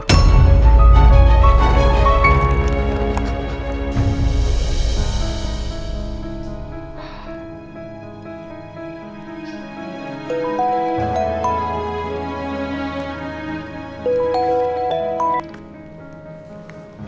tidak ada apa apa